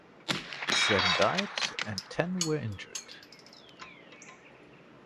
Seven died and ten were injured.